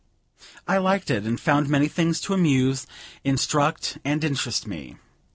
I liked it, and found many things to amuse, instruct, and interest me.